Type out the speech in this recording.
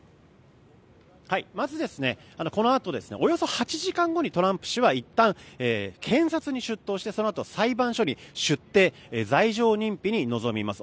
まず、このあとおよそ８時間後にトランプ氏はいったん検察に出頭してそのあと裁判所に出廷罪状認否に臨みます。